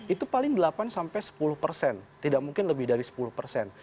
itu paling delapan sampai sepuluh persen tidak mungkin lebih dari sepuluh persen